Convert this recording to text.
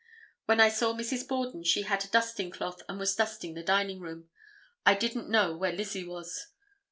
When I saw Mrs. Borden she had a dusting cloth and was dusting the dining room. I didn't know where Lizzie was.